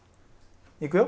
いくよ。